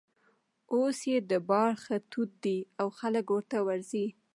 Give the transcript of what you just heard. اوس یې دربار ښه تود دی او خلک ورته ورځي.